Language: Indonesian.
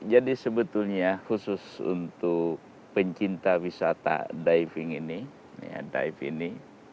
jadi sebetulnya khusus untuk pencinta wisata diving ini